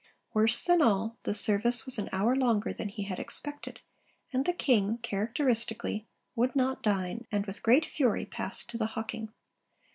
Worse than all, the service was an hour longer than he had expected; and the king, characteristically, 'would not dine, and with great fury passed to the hawking.'